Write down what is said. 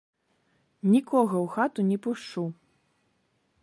Нікога ў хату не пушчу!